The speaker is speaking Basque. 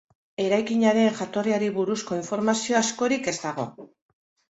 Eraikinaren jatorriari buruzko informazio askorik ez dago.